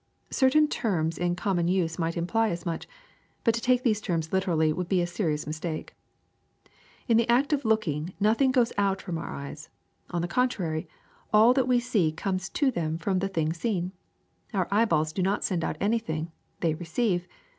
Certain terms in common use might imply as much ; but to take these terms literally would be a serious mistake. ^^In the act of looking nothing goes out from our eyes ; on the contrary, all that we see comes to them from the thing seen. Our eyeballs do not send out anything ; they receive.